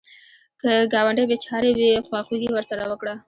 که ګاونډی بېچاره وي، خواخوږي ورسره وکړه